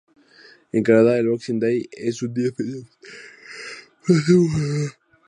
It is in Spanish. En Canadá, el "Boxing Day" es un día festivo federal.